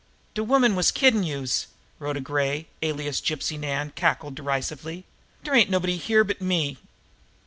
"De woman was kiddin' youse!" Rhoda Gray, alias Gypsy Nan, cackled derisively. "Dere ain't nobody here but me."